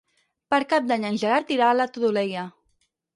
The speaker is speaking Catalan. Per Cap d'Any en Gerard irà a la Todolella.